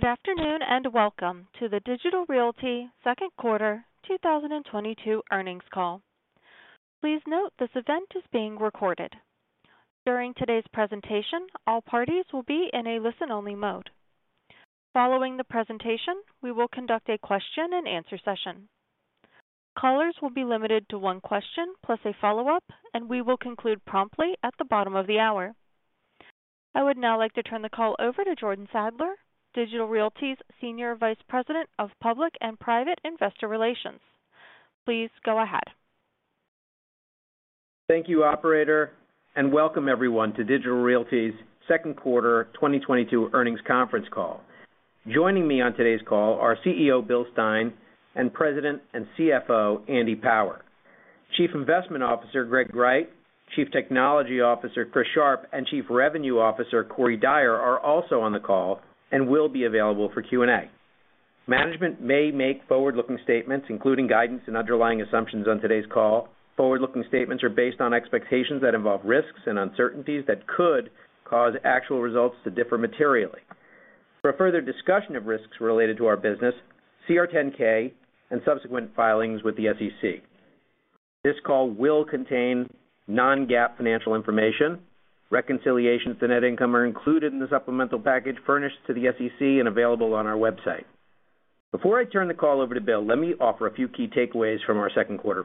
Good afternoon, and welcome to the Digital Realty Q2 2022 Earnings Call. Please note this event is being recorded. During today's presentation, all parties will be in a listen-only mode. Following the presentation, we will conduct a question-and-answer session. Callers will be limited to one question plus a follow-up, and we will conclude promptly at the bottom of the hour. I would now like to turn the call over to Jordan Sadler, Digital Realty's Senior Vice President of Public and Private Investor Relations. Please go ahead. Thank you, operator, and welcome everyone to Digital Realty's Q2 2022 Earnings Conference Call. Joining me on today's call are CEO Bill Stein and President and CFO Andy Power. Chief Investment Officer Greg Wright, Chief Technology Officer Chris Sharp, and Chief Revenue Officer Corey Dyer are also on the call and will be available for Q&A. Management may make forward-looking statements, including guidance and underlying assumptions on today's call. Forward-looking statements are based on expectations that involve risks and uncertainties that could cause actual results to differ materially. For further discussion of risks related to our business, see our 10-K and subsequent filings with the SEC. This call will contain non-GAAP financial information. Reconciliations to net income are included in the supplemental package furnished to the SEC and available on our website. Before I turn the call over to Bill, let me offer a few key takeaways from our Q2.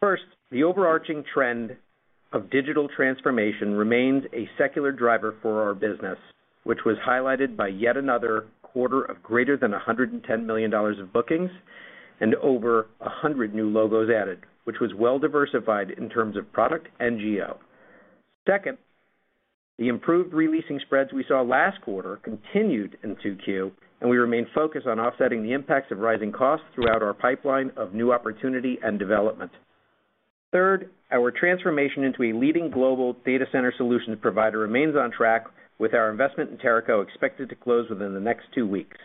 First, the overarching trend of digital transformation remains a secular driver for our business, which was highlighted by yet another quarter of greater than $110 million of bookings and over 100 new logos added, which was well diversified in terms of product and geo. Second, the improved re-leasing spreads we saw last quarter continued in Q2, and we remain focused on offsetting the impacts of rising costs throughout our pipeline of new opportunity and development. Third, our transformation into a leading global data center solutions provider remains on track with our investment in Teraco expected to close within the next two weeks.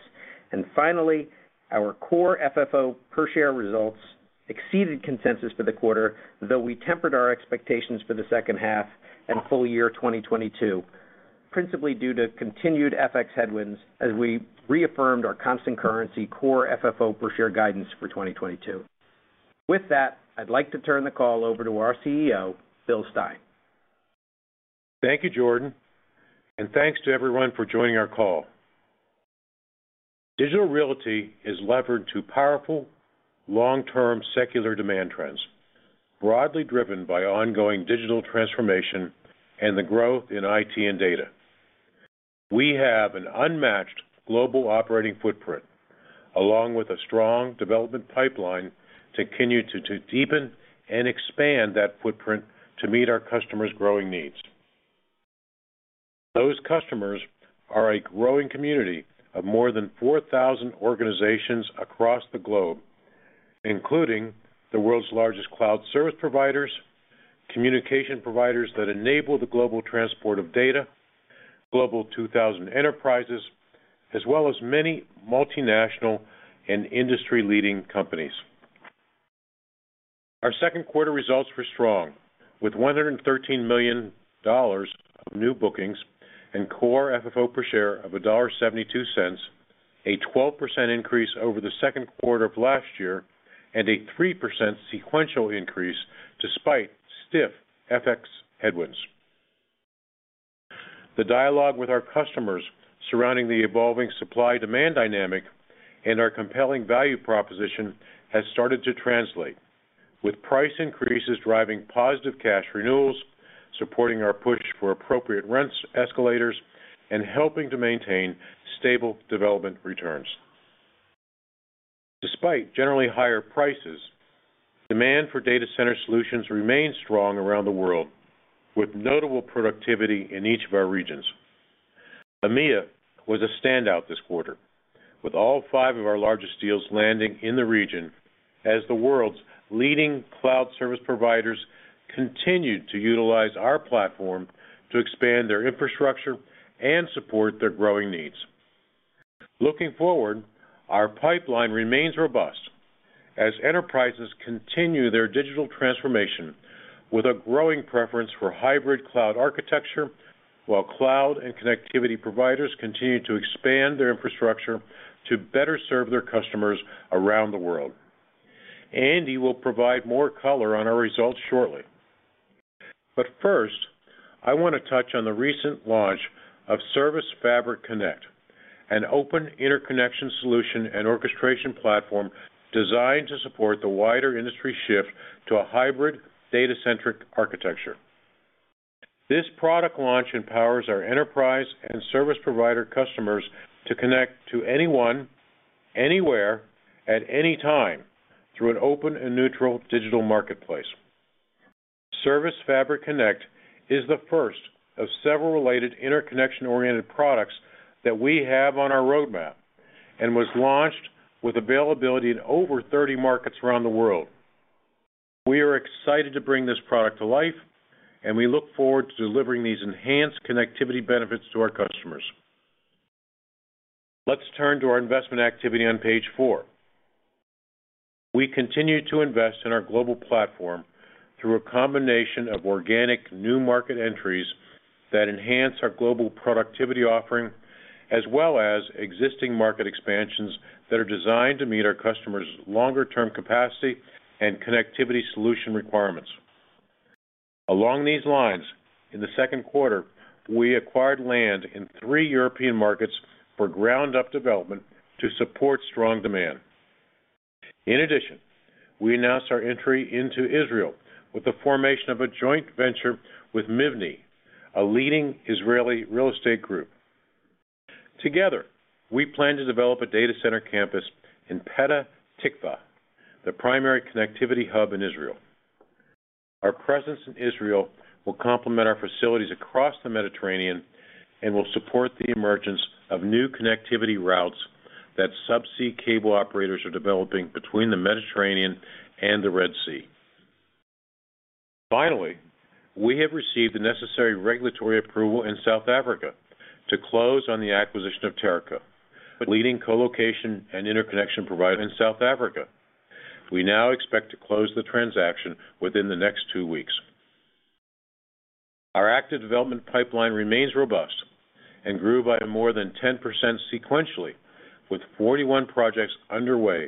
Finally, our core FFO per share results exceeded consensus for the quarter, though we tempered our expectations for the H2 and FY 2022, principally due to continued FX headwinds as we reaffirmed our constant currency core FFO per share guidance for 2022. With that, I'd like to turn the call over to our CEO, Bill Stein. Thank you, Jordan, and thanks to everyone for joining our call. Digital Realty is levered to powerful long-term secular demand trends, broadly driven by ongoing digital transformation and the growth in IT and data. We have an unmatched global operating footprint, along with a strong development pipeline to continue to deepen and expand that footprint to meet our customers' growing needs. Those customers are a growing community of more than 4,000 organizations across the globe, including the world's largest cloud service providers, communication providers that enable the global transport of data, Global 2000 enterprises, as well as many multinational and industry-leading companies. Our Q2 results were strong, with $113 million of new bookings and core FFO per share of $1.72, a 12% increase over the Q2 of last year, and a 3% sequential increase despite stiff FX headwinds. The dialogue with our customers surrounding the evolving supply-demand dynamic and our compelling value proposition has started to translate, with price increases driving positive cash renewals, supporting our push for appropriate rents escalators, and helping to maintain stable development returns. Despite generally higher prices, demand for data center solutions remains strong around the world, with notable productivity in each of our regions. EMEA was a standout this quarter, with all five of our largest deals landing in the region as the world's leading cloud service providers continued to utilize our platform to expand their infrastructure and support their growing needs. Looking forward, our pipeline remains robust as enterprises continue their digital transformation with a growing preference for hybrid cloud architecture, while cloud and connectivity providers continue to expand their infrastructure to better serve their customers around the world. Andy will provide more color on our results shortly. First, I want to touch on the recent launch of ServiceFabric Connect, an open interconnection solution and orchestration platform designed to support the wider industry shift to a hybrid data centric architecture. This product launch empowers our enterprise and service provider customers to connect to anyone, anywhere, at any time through an open and neutral digital marketplace. ServiceFabric Connect is the first of several related interconnection-oriented products that we have on our roadmap and was launched with availability in over 30 markets around the world. We are excited to bring this product to life, and we look forward to delivering these enhanced connectivity benefits to our customers. Let's turn to our investment activity on page four. We continue to invest in our global platform through a combination of organic new market entries that enhance our global productivity offering, as well as existing market expansions that are designed to meet our customers' longer-term capacity and connectivity solution requirements. Along these lines, in the Q2, we acquired land in three European markets for ground-up development to support strong demand. In addition, we announced our entry into Israel with the formation of a joint venture with Mivne, a leading Israeli real estate group. Together, we plan to develop a data center campus in Petah Tikva, the primary connectivity hub in Israel. Our presence in Israel will complement our facilities across the Mediterranean and will support the emergence of new connectivity routes that subsea cable operators are developing between the Mediterranean and the Red Sea. Finally, we have received the necessary regulatory approval in South Africa to close on the acquisition of Teraco, a leading colocation and interconnection provider in South Africa. We now expect to close the transaction within the next two weeks. Our active development pipeline remains robust and grew by more than 10% sequentially, with 41 projects underway,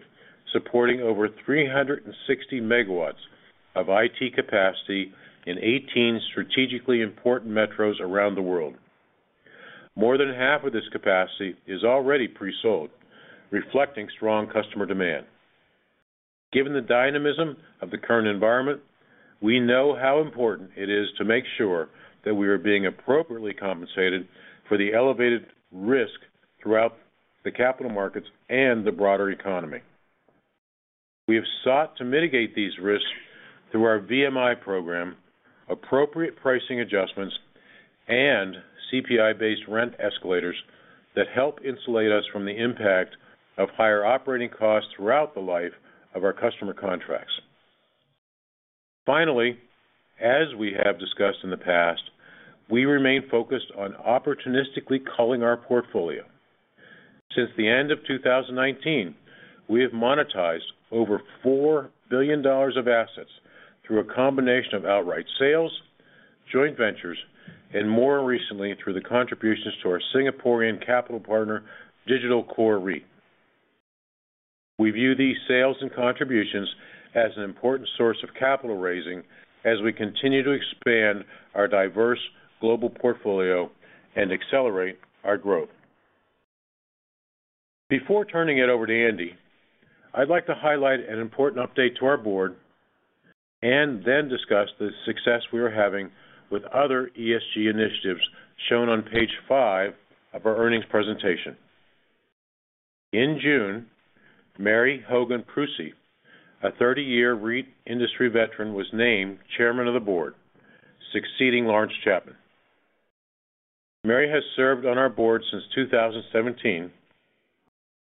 supporting over 360 megawatts of IT capacity in 18 strategically important metros around the world. More than half of this capacity is already pre-sold, reflecting strong customer demand. Given the dynamism of the current environment, we know how important it is to make sure that we are being appropriately compensated for the elevated risk throughout the capital markets and the broader economy. We have sought to mitigate these risks through our VMI program, appropriate pricing adjustments, and CPI-based rent escalators that help insulate us from the impact of higher operating costs throughout the life of our customer contracts. Finally, as we have discussed in the past, we remain focused on opportunistically culling our portfolio. Since the end of 2019, we have monetized over $4 billion of assets through a combination of outright sales, joint ventures, and more recently, through the contributions to our Singaporean capital partner, Digital Core REIT. We view these sales and contributions as an important source of capital raising as we continue to expand our diverse global portfolio and accelerate our growth. Before turning it over to Andy, I'd like to highlight an important update to our board and then discuss the success we are having with other ESG initiatives shown on page five of our earnings presentation. In June, Mary Hogan Preusse, a 30-year REIT industry veteran, was named Chairman of the Board, succeeding Laurence Chapman. Mary has served on our board since 2017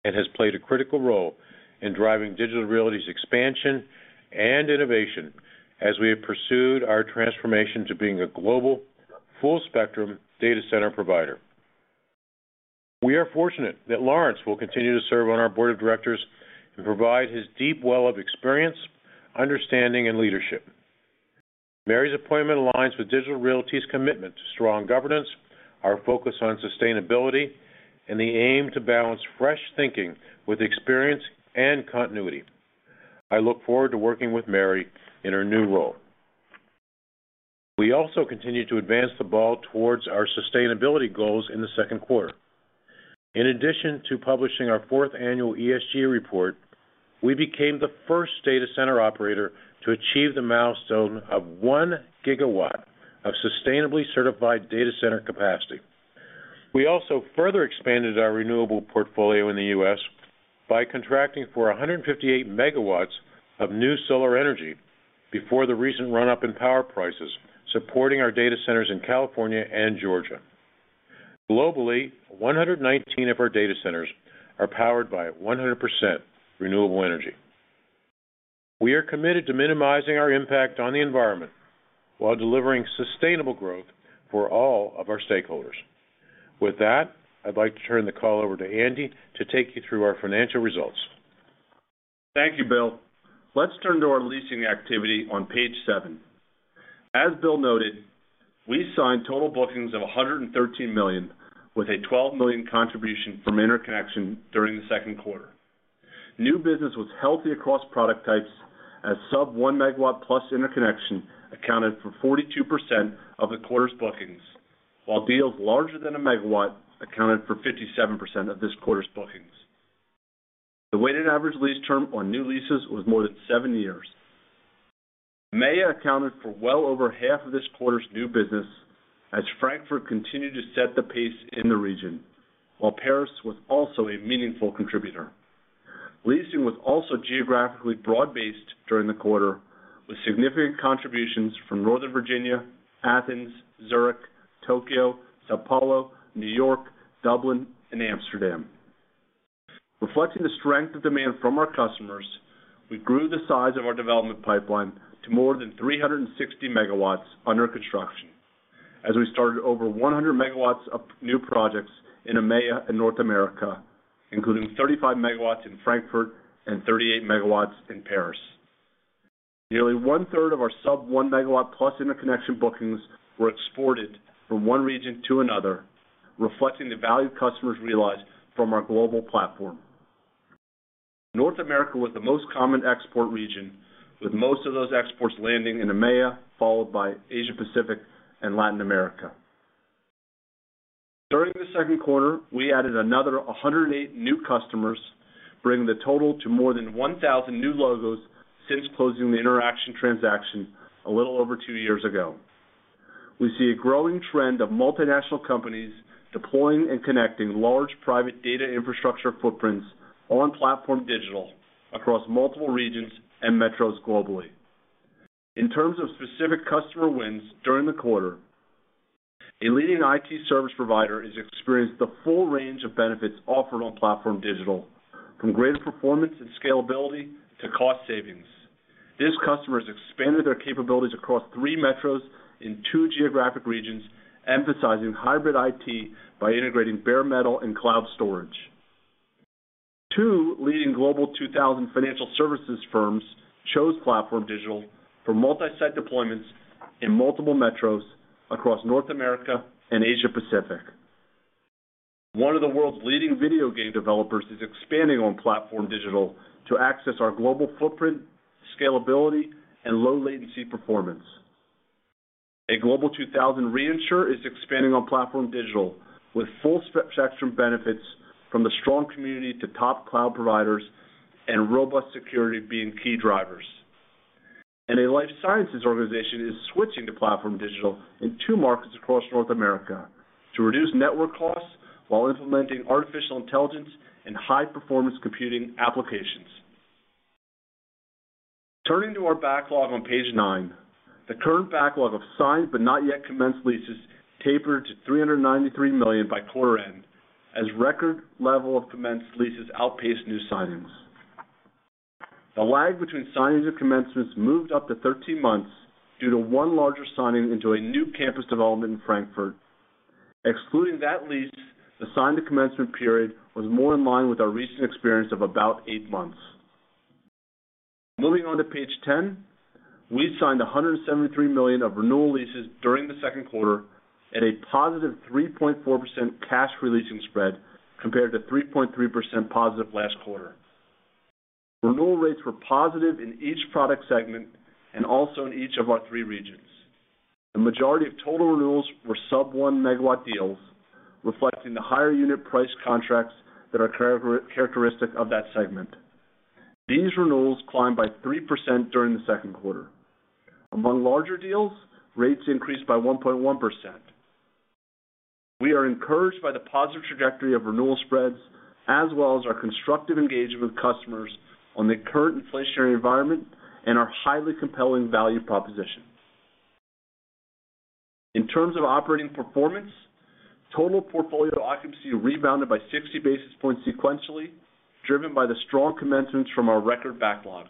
and has played a critical role in driving Digital Realty's expansion and innovation as we have pursued our transformation to being a global, full-spectrum data center provider. We are fortunate that Lawrence will continue to serve on our Board of Directors and provide his deep well of experience, understanding, and leadership. Mary's appointment aligns with Digital Realty's commitment to strong governance, our focus on sustainability, and the aim to balance fresh thinking with experience and continuity. I look forward to working with Mary in her new role. We also continue to advance the ball towards our sustainability goals in the Q2. In addition to publishing our fourth annual ESG report, we became the first data center operator to achieve the milestone of 1 GW of sustainably certified data center capacity. We also further expanded our renewable portfolio in the U.S. by contracting for 158 MW of new solar energy before the recent run-up in power prices, supporting our data centers in California and Georgia. Globally, 119 of our data centers are powered by 100% renewable energy. We are committed to minimizing our impact on the environment while delivering sustainable growth for all of our stakeholders. With that, I'd like to turn the call over to Andy to take you through our financial results. Thank you, Bill. Let's turn to our leasing activity on page seven. As Bill noted, we signed total bookings of $113 million, with a $12 million contribution from Interconnection during the second quarter. New business was healthy across product types as sub-1 MW+ interconnection accounted for 42% of the quarter's bookings, while deals larger than a megawatt accounted for 57% of this quarter's bookings. The weighted average lease term on new leases was more than seven years. May accounted for well over half of this quarter's new business as Frankfurt continued to set the pace in the region, while Paris was also a meaningful contributor. Leasing was also geographically broad-based during the quarter, with significant contributions from Northern Virginia, Athens, Zurich, Tokyo, São Paulo, New York, Dublin, and Amsterdam. Reflecting the strength of demand from our customers, we grew the size of our development pipeline to more than 360 MW under construction. We started over 100 MW of new projects in EMEA and North America, including 35 MW in Frankfurt and 38 MW in Paris. Nearly one-third of our sub-1 MW+ interconnection bookings were exported from one region to another, reflecting the value customers realize from our global platform. North America was the most common export region, with most of those exports landing in EMEA, followed by Asia Pacific and Latin America. During the second quarter, we added another 108 new customers, bringing the total to more than 1,000 new logos since closing the Interxion transaction a little over two years ago. We see a growing trend of multinational companies deploying and connecting large private data infrastructure footprints on PlatformDIGITAL across multiple regions and metros globally. In terms of specific customer wins during the quarter, a leading IT service provider has experienced the full range of benefits offered on PlatformDIGITAL, from greater performance and scalability to cost savings. This customer has expanded their capabilities across three metros in two geographic regions, emphasizing hybrid IT by integrating bare metal and cloud storage. Two leading global Fortune 2000 financial services firms chose PlatformDIGITAL for multi-site deployments in multiple metros across North America and Asia Pacific. One of the world's leading video game developers is expanding on PlatformDIGITAL to access our global footprint, scalability, and low latency performance. A global 2,000 reinsurer is expanding on PlatformDIGITAL with full spectrum benefits from the strong community to top cloud providers and robust security being key drivers. A life sciences organization is switching to PlatformDIGITAL in two markets across North America to reduce network costs while implementing artificial intelligence and high-performance computing applications. Turning to our backlog on page nine. The current backlog of signed but not yet commenced leases tapered to $393 million by quarter end as record level of commenced leases outpaced new signings. The lag between signings and commencements moved up to 13 months due to one larger signing into a new campus development in Frankfurt. Excluding that lease, the sign to commencement period was more in line with our recent experience of about eight months. Moving on to page 10. We signed $173 million of renewal leases during the Q2 at a positive 3.4% cash releasing spread compared to 3.3% positive last quarter. Renewal rates were positive in each product segment and also in each of our three regions. The majority of total renewals were sub-1 MW deals, reflecting the higher unit price contracts that are characteristic of that segment. These renewals climbed by 3% during the second quarter. Among larger deals, rates increased by 1.1%. We are encouraged by the positive trajectory of renewal spreads, as well as our constructive engagement with customers on the current inflationary environment and our highly compelling value proposition. In terms of operating performance, total portfolio occupancy rebounded by 60 basis points sequentially, driven by the strong commencements from our record backlog.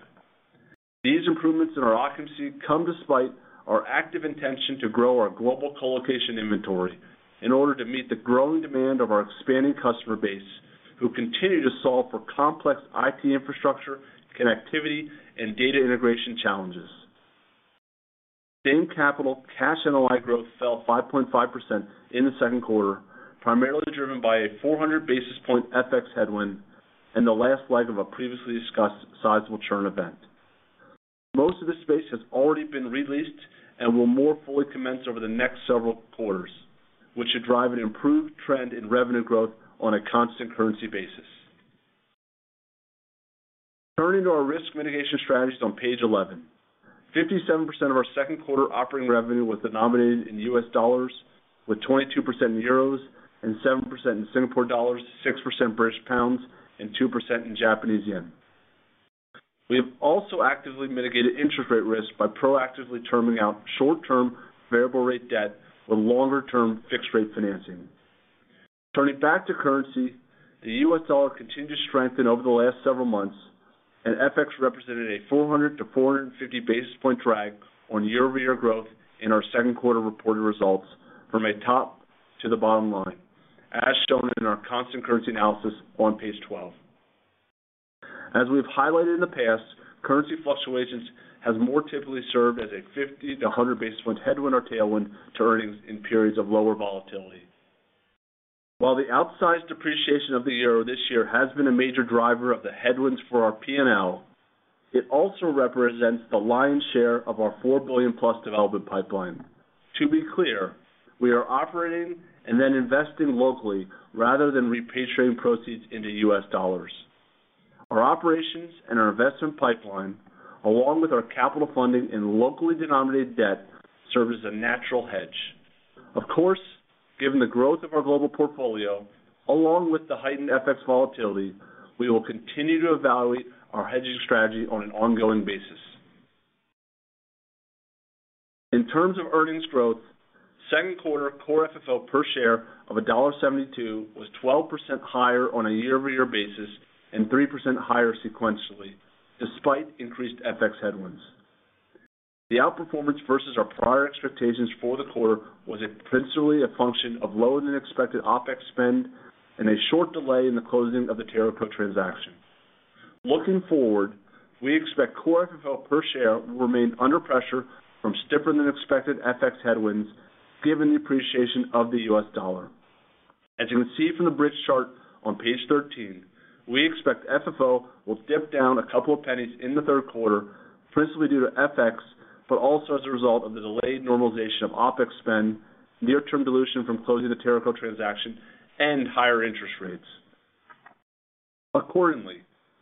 These improvements in our occupancy come despite our active intention to grow our global colocation inventory in order to meet the growing demand of our expanding customer base, who continue to solve for complex IT infrastructure, connectivity, and data integration challenges. Same-store cash NOI growth fell 5.5% in the Q2, primarily driven by a 400 basis point FX headwind and the last leg of a previously discussed sizable churn event. Most of the space has already been re-leased and will more fully commence over the next several quarters, which should drive an improved trend in revenue growth on a constant currency basis. Turning to our risk mitigation strategies on page 11. 57% of our Q2 operating revenue was denominated in U.S. Dollars, with 22% in euros and 7% in Singapore dollars, 6% British pounds, and 2% in Japanese yen. We have also actively mitigated interest rate risk by proactively terming out short-term variable rate debt with longer-term fixed-rate financing. Turning back to currency, the U.S. dollar continued to strengthen over the last several months, and FX represented a 400-450 basis point drag on year-over-year growth in our Q2 reported results from a top to the bottom line, as shown in our constant currency analysis on page 12. As we've highlighted in the past, currency fluctuations has more typically served as a 50-100 basis point headwind or tailwind to earnings in periods of lower volatility. While the outsized depreciation of the euro this year has been a major driver of the headwinds for our P&L, it also represents the lion's share of our $4 billion-plus development pipeline. To be clear, we are operating and then investing locally rather than repatriating proceeds into U.S. dollars. Our operations and our investment pipeline, along with our capital funding in locally denominated debt, serve as a natural hedge. Of course, given the growth of our global portfolio along with the heightened FX volatility, we will continue to evaluate our hedging strategy on an ongoing basis. In terms of earnings growth, second quarter core FFO per share of $1.72 was 12% higher on a year-over-year basis and 3% higher sequentially. Despite increased FX headwinds. The outperformance versus our prior expectations for the quarter was principally a function of lower than expected OpEx spend and a short delay in the closing of the Teraco transaction. Looking forward, we expect core FFO per share will remain under pressure from stiffer than expected FX headwinds given the appreciation of the U.S dollar. As you can see from the bridge chart on page 13, we expect FFO will dip down a couple of pennies in the Q3, principally due to FX, but also as a result of the delayed normalization of OpEx spend, near-term dilution from closing the Teraco transaction and higher interest rates. Accordingly,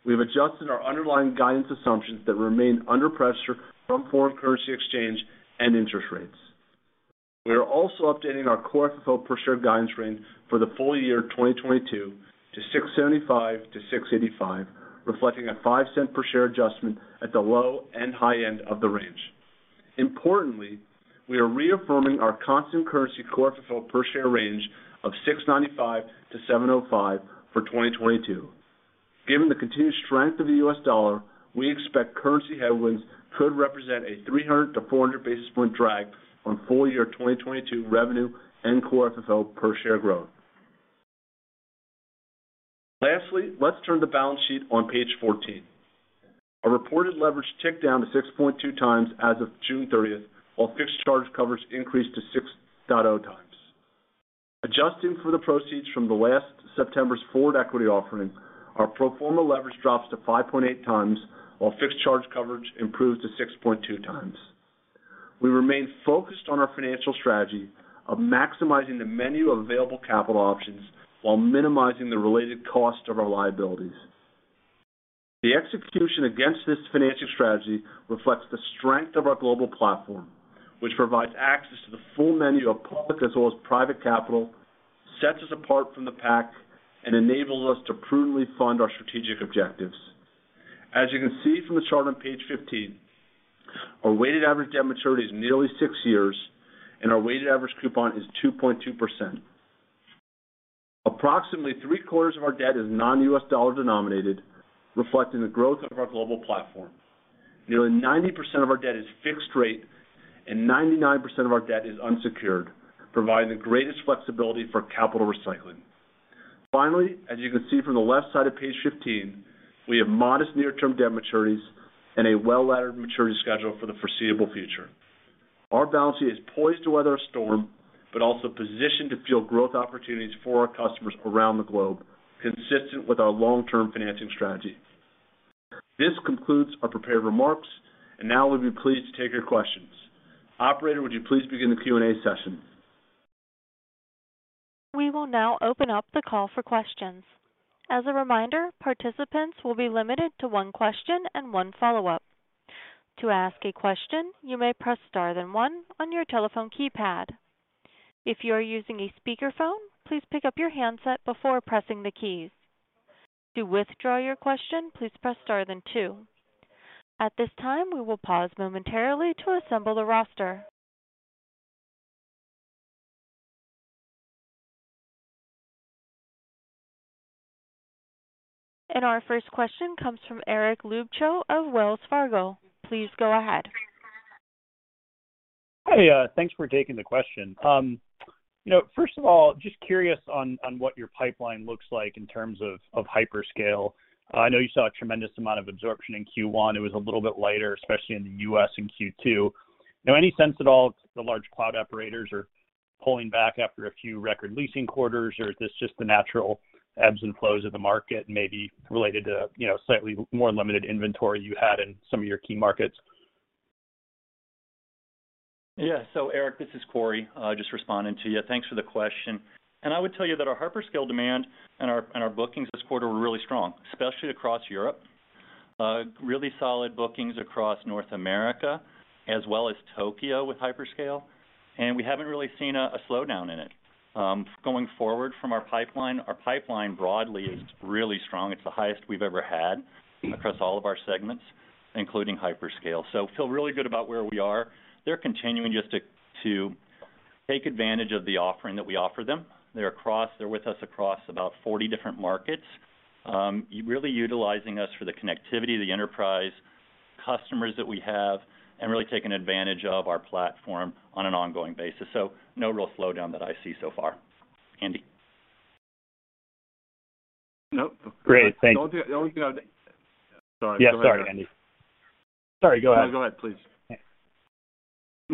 we've adjusted our underlying guidance assumptions that remain under pressure from foreign currency exchange and interest rates. We are also updating our core FFO per share guidance range for the full year 2022 to $6.75-$6.85, reflecting a $0.05 per share adjustment at the low and high end of the range. Importantly, we are reaffirming our constant currency core FFO per share range of $6.95-$7.05 for 2022. Given the continued strength of the U.S. dollar, we expect currency headwinds could represent a 300-400 basis point drag on full year 2022 revenue and core FFO per share growth. Lastly, let's turn to the balance sheet on page 14. Our reported leverage ticked down to 6.2x as of June 30, while fixed charge coverage increased to 6.0x. Adjusting for the proceeds from the last September's forward equity offering, our pro forma leverage drops to 5.8x, while fixed charge coverage improves to 6.2x. We remain focused on our financial strategy of maximizing the menu of available capital options while minimizing the related cost of our liabilities. The execution against this financial strategy reflects the strength of our global platform, which provides access to the full menu of public as well as private capital, sets us apart from the pack, and enables us to prudently fund our strategic objectives. As you can see from the chart on page 15, our weighted average debt maturity is nearly six years, and our weighted average coupon is 2.2%. Approximately three-quarters of our debt is non-U.S. dollar denominated, reflecting the growth of our global platform. Nearly 90% of our debt is fixed rate and 99% of our debt is unsecured, providing the greatest flexibility for capital recycling. Finally, as you can see from the left side of page 15, we have modest near-term debt maturities and a well-laddered maturity schedule for the foreseeable future. Our balance sheet is poised to weather a storm, but also positioned to fuel growth opportunities for our customers around the globe, consistent with our long-term financing strategy. This concludes our prepared remarks, and now we'll be pleased to take your questions. Operator, would you please begin the Q&A session? We will now open up the call for questions. As a reminder, participants will be limited to one question and one follow-up. To ask a question, you may press star then one on your telephone keypad. If you are using a speakerphone, please pick up your handset before pressing the keys. To withdraw your question, please press star then two. At this time, we will pause momentarily to assemble the roster. Our first question comes from Eric Luebchow of Wells Fargo. Please go ahead. Hey, thanks for taking the question. You know, first of all, just curious on what your pipeline looks like in terms of hyperscale. I know you saw a tremendous amount of absorption in Q1. It was a little bit lighter, especially in the U.S. in Q2. Now, any sense at all if the large cloud operators are pulling back after a few record leasing quarters? Or is this just the natural ebbs and flows of the market, maybe related to you know, slightly more limited inventory you had in some of your key markets? Yeah. Eric, this is Corey, just responding to you. Thanks for the question. I would tell you that our hyperscale demand and our bookings this quarter were really strong, especially across Europe. Really solid bookings across North America as well as Tokyo with hyperscale, and we haven't really seen a slowdown in it. Going forward from our pipeline, our pipeline broadly is really strong. It's the highest we've ever had across all of our segments, including hyperscale. Feel really good about where we are. They're continuing just to take advantage of the offering that we offer them. They're with us across about 40 different markets, really utilizing us for the connectivity of the enterprise customers that we have and really taking advantage of our platform on an ongoing basis. No real slowdown that I see so far. Andy. Nope. Great. Thank you. Sorry. Yeah. Sorry, Andy. Sorry, go ahead. No, go ahead, please.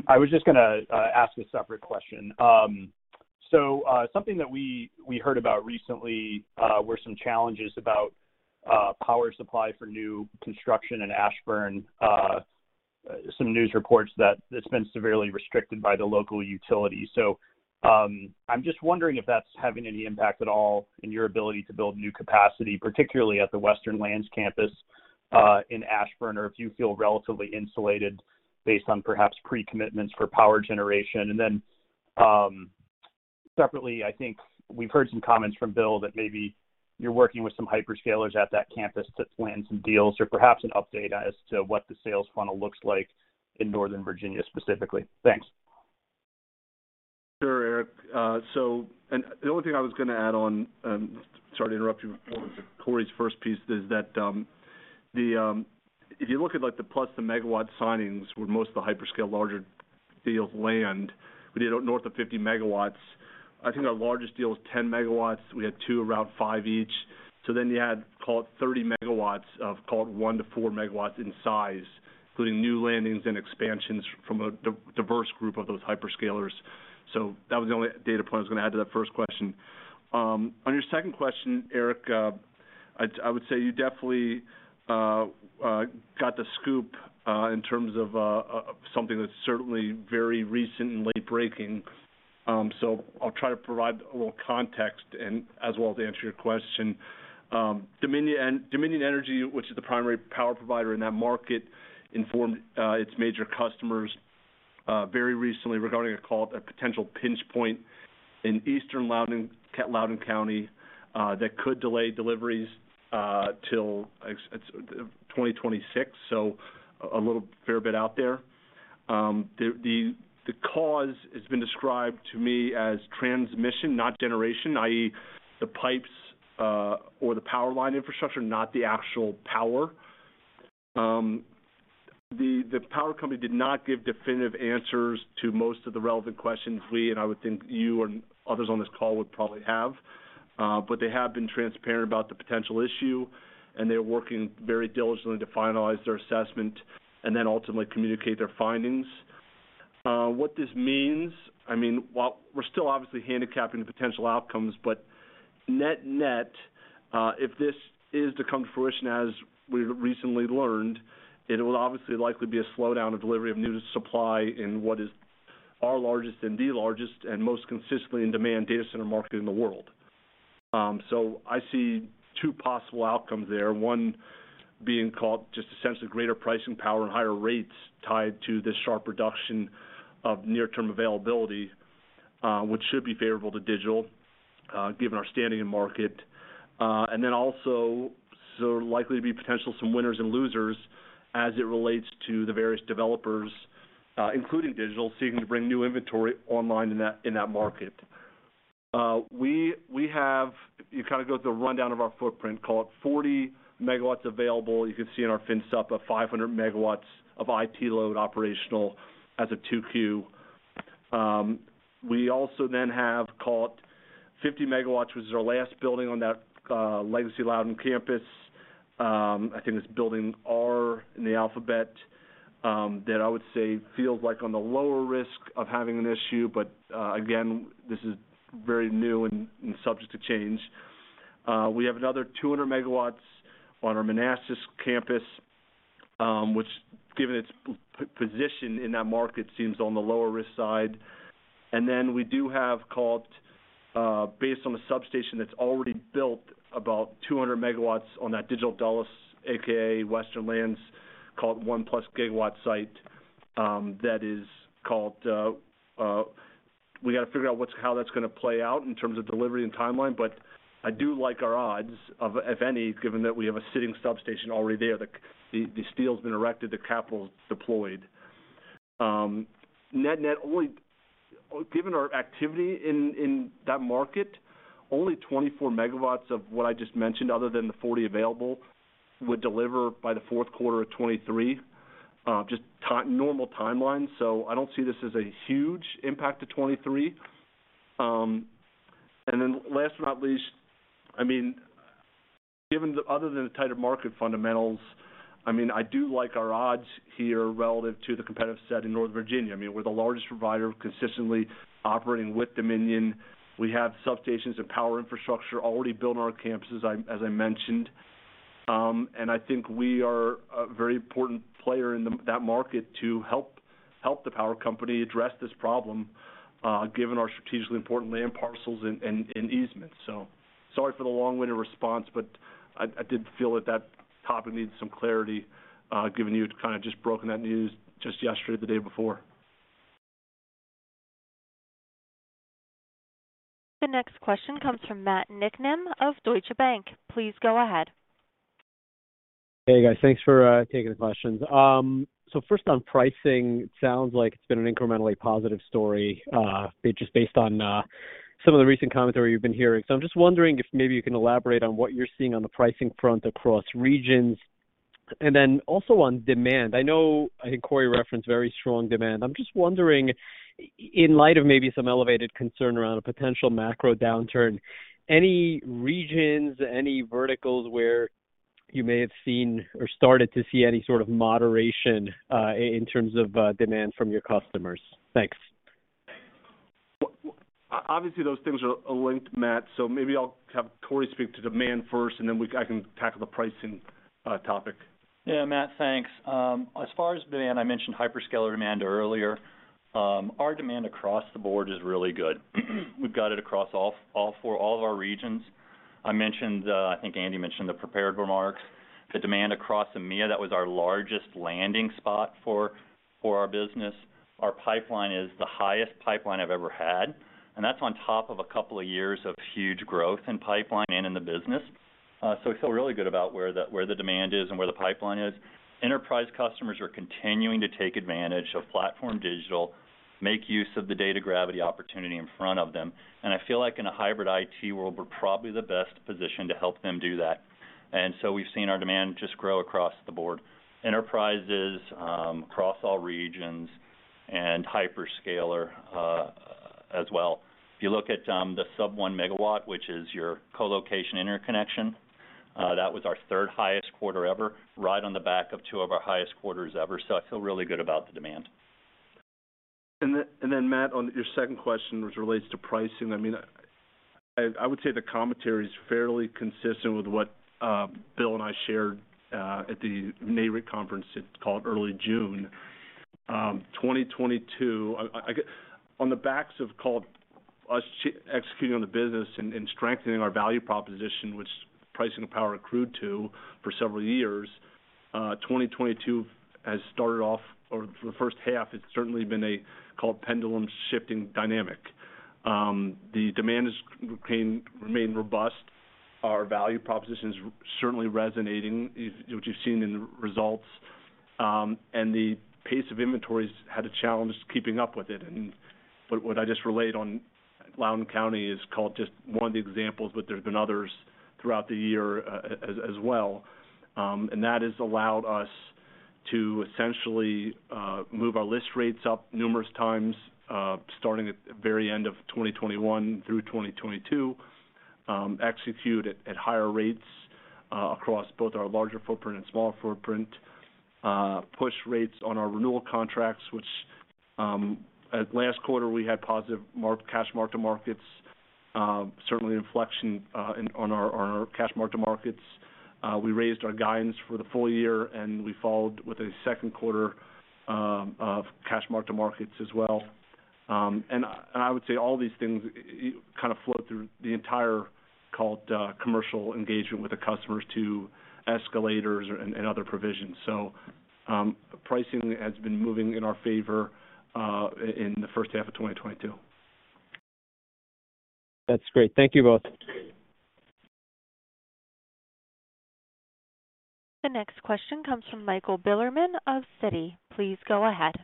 I was just gonna ask a separate question. Something that we heard about recently were some challenges about power supply for new construction in Ashburn. Some news reports that it's been severely restricted by the local utility. I'm just wondering if that's having any impact at all in your ability to build new capacity, particularly at the Western Lands campus in Ashburn, or if you feel relatively insulated based on perhaps pre-commitments for power generation. Separately, I think we've heard some comments from Bill that maybe you're working with some hyperscalers at that campus to land some deals or perhaps an update as to what the sales funnel looks like in Northern Virginia specifically. Thanks. The only thing I was gonna add on, sorry to interrupt you before with Corey's first piece, is that, if you look at like the plus the megawatt signings where most of the hyperscale larger deals land, we did north of 50 MW. I think our largest deal is 10 MW. We had two around five each. You add, call it 30 MW of call it 1-4 MW in size, including new landings and expansions from a diverse group of those hyperscalers. That was the only data point I was gonna add to that first question. On your second question, Eric, I would say you definitely got the scoop in terms of something that's certainly very recent and late breaking. I'll try to provide a little context and as well to answer your question. Dominion Energy, which is the primary power provider in that market, informed its major customers very recently regarding a potential pinch point in eastern Loudoun County that could delay deliveries till 2026, so a little fair bit out there. The cause has been described to me as transmission, not generation, i.e., the pipes or the power line infrastructure, not the actual power. The power company did not give definitive answers to most of the relevant questions we and I would think you and others on this call would probably have, but they have been transparent about the potential issue, and they're working very diligently to finalize their assessment and then ultimately communicate their findings. What this means, I mean, while we're still obviously handicapping the potential outcomes, but net-net, if this is to come to fruition, as we recently learned, it'll obviously likely be a slowdown of delivery of new supply in what is our largest and most consistently in demand data center market in the world. I see two possible outcomes there. One being called just essentially greater pricing power and higher rates tied to this sharp reduction of near-term availability, which should be favorable to Digital, given our standing in market. Then also likely to be potential some winners and losers as it relates to the various developers, including Digital, seeking to bring new inventory online in that market. We have... You kind of go through the rundown of our footprint, call it 40 MW available. You can see in our final supply of 500 MW of IT load operational as of Q2. We also then have call it 50 MW, which is our last building on that legacy Loudoun campus. I think it's building R in the alphabet that I would say feels like on the lower risk of having an issue. Again, this is very new and subject to change. We have another 200 MW on our Manassas campus, which given its position in that market, seems on the lower risk side. We do have, call it, based on the substation that's already built, about 200 MW on that Digital Dulles, AKA Western Lands, call it 1+ GW site. We got to figure out how that's gonna play out in terms of delivery and timeline. I do like our odds, if any, given that we have a sitting substation already there. The steel's been erected, the capital's deployed. Net-net, given our activity in that market, only 24 MW of what I just mentioned, other than the 40 available, would deliver by the Q4 of 2023, just the normal timeline. I don't see this as a huge impact to 2023. Last but not least, I mean, given the other than the tighter market fundamentals, I mean, I do like our odds here relative to the competitive set in Northern Virginia. I mean, we're the largest provider consistently operating with Dominion. We have substations and power infrastructure already built on our campuses, as I mentioned. I think we are a very important player in that market to help the power company address this problem, given our strategically important land parcels and easements. Sorry for the long-winded response, but I did feel that that topic needed some clarity, given you'd kind of just broken that news just yesterday or the day before. The next question comes from Matthew Niknam of Deutsche Bank. Please go ahead. Hey, guys. Thanks for taking the questions. First on pricing, it sounds like it's been an incrementally positive story, just based on some of the recent commentary you've been hearing. I'm just wondering if maybe you can elaborate on what you're seeing on the pricing front across regions. Then also on demand, I know, I think Corey referenced very strong demand. I'm just wondering, in light of maybe some elevated concern around a potential macro downturn, any regions, any verticals where you may have seen or started to see any sort of moderation, in terms of demand from your customers? Thanks. Well, obviously, those things are linked, Matt, so maybe I'll have Corey speak to demand first, and then I can tackle the pricing topic. Yeah, Matt, thanks. As far as demand, I mentioned hyperscaler demand earlier. Our demand across the board is really good. We've got it across all four of our regions. I mentioned, I think Andy mentioned the prepared remarks. The demand across EMEA, that was our largest landing spot for our business. Our pipeline is the highest pipeline I've ever had, and that's on top of a couple of years of huge growth in pipeline and in the business. So we feel really good about where the demand is and where the pipeline is. Enterprise customers are continuing to take advantage of PlatformDIGITAL, make use of the data gravity opportunity in front of them. I feel like in a hybrid IT world, we're probably the best positioned to help them do that. We've seen our demand just grow across the board. Enterprises across all regions and hyperscaler as well. If you look at the sub-1 MW, which is your colocation interconnection, that was our third highest quarter ever, right on the back of two of our highest quarters ever. I feel really good about the demand. Matt, on your second question, which relates to pricing. I mean, I would say the commentary is fairly consistent with what Bill and I shared at the NAREIT conference call early June 2022. On the backs of call it, us executing on the business and strengthening our value proposition, to which pricing and power have accrued for several years, 2022 has started off, or for the H1f, it's certainly been a call it, pendulum-shifting dynamic. The demand has remained robust. Our value proposition is certainly resonating, which you've seen in the results. The pace of inventories had a challenge keeping up with it. What I just relayed on Loudoun County is call it, just one of the examples, but there's been others throughout the year, as well. That has allowed us to essentially move our list rates up numerous times, starting at the very end of 2021 through 2022, execute at higher rates across both our larger footprint and smaller footprint, push rates on our renewal contracts, which at last quarter we had positive cash mark-to-markets, certainly inflection on our cash mark-to-markets. We raised our guidance for the full year, and we followed with a second quarter of cash mark-to-markets as well. I would say all these things kind of flow through the entire call it commercial engagement with the customers to escalators and other provisions. Pricing has been moving in our favor in the H1 of 2022. That's great. Thank you both. The next question comes from Michael Bilerman of Citi. Please go ahead.